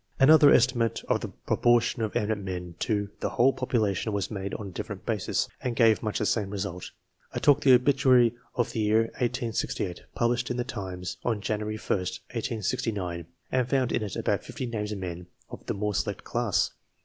Another estimate of the proportion of eminent men to the whole population was made on a different ba, sis, and gave much the same result. I took the obituary of the year 1868, published in the Times on January 1st, 1869, and found in it about fifty names of men of the more select class.